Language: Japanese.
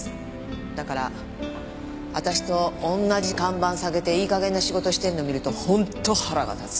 だから私と同じ看板下げていい加減な仕事してるの見ると本当腹が立つ。